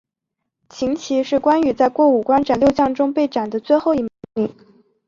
秦琪是关羽在过五关斩六将中被斩的最后一名将领。